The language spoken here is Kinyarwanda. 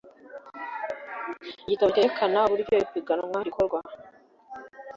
gitabo cyerekana uburyo ipiganwa rikorwa